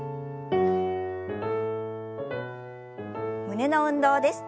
胸の運動です。